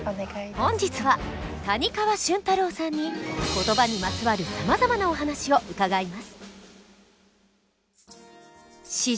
本日は谷川俊太郎さんに言葉にまつわるさまざまなお話を伺います。